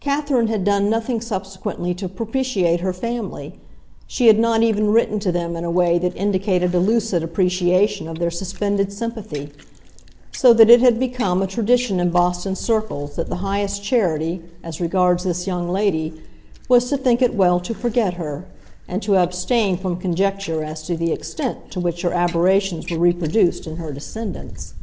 Catherine had done nothing subsequently to propitiate her family; she had not even written to them in a way that indicated a lucid appreciation of their suspended sympathy; so that it had become a tradition in Boston circles that the highest charity, as regards this young lady, was to think it well to forget her, and to abstain from conjecture as to the extent to which her aberrations were reproduced in her descendants.